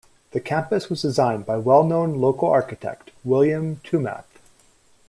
The campus was designed by well-known local architect William Toomath.